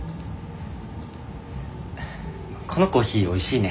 このコーヒーおいしいね。